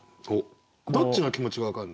どっちの気持ちが分かるの？